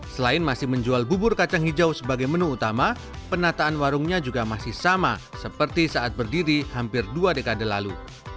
selain masih menjual bubur kacang hijau sebagai menu utama penataan warungnya juga masih sama seperti saat berdiri hampir dua dekade lalu